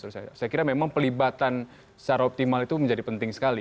saya kira memang pelibatan secara optimal itu menjadi penting sekali